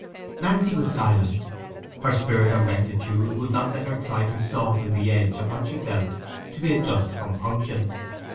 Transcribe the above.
Nancy was silent: her spirit of rectitude would not let her try to soften the edge of what she felt to be a just compunction.